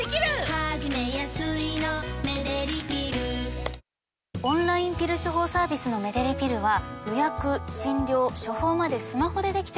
始めやすいのメデリピルオンラインピル処方サービスのメデリピルは予約診療処方までスマホでできちゃうの。